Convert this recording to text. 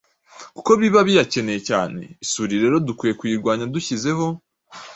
kuko biba biyakeneye cyane. Isuri rero dukwiye kuyirwanya dushyizeho